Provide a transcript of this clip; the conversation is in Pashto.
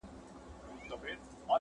• بیا مي ګوم ظالم ارمان په کاڼو ولي..